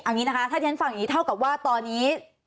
เอางี้นะคะถ้าที่ฉันฟังอย่างนี้เท่ากับว่าตอนนี้